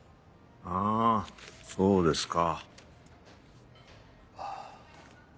はぁそうですか。